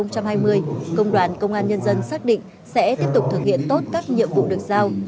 năm hai nghìn hai mươi công đoàn công an nhân dân xác định sẽ tiếp tục thực hiện tốt các nhiệm vụ được giao